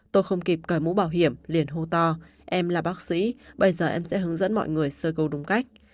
tôi không kịp cởi mũ bảo hiểm liền hô to em là bác sĩ bây giờ em sẽ hướng dẫn mọi người sơ gấu đúng cách